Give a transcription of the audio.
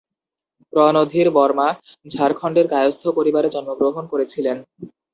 রণধীর বর্মা ঝাড়খণ্ডের কায়স্থ পরিবারে জন্মগ্রহণ করেছিলেন।